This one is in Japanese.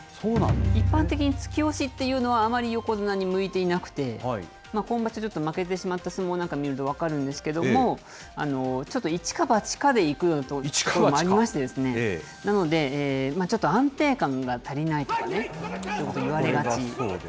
一般的に突き押しっていうのは、あまり横綱に向いていなくて、今場所、ちょっと負けてしまった相撲なんか見ると分かるんですけども、ちょっと一か八かでいくようなところがありまして、なので、ちょっと安定感が足りないとかね、そういうこと言われがち。